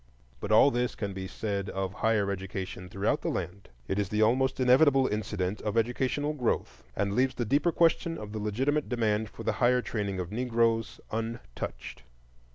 But all this can be said of higher education throughout the land; it is the almost inevitable incident of educational growth, and leaves the deeper question of the legitimate demand for the higher training of Negroes untouched.